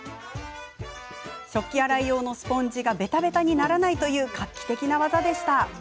食器洗い用のスポンジがべたべたにならないという画期的な技でした。